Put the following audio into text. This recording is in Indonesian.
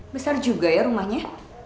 bisa juga ya rumahnya